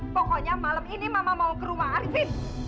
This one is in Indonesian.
pokoknya malam ini mama mau ke rumah arifin